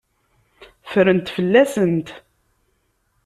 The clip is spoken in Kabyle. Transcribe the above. Ffrent fell-asent.